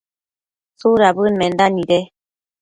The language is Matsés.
¿tsudabëd menda nide ?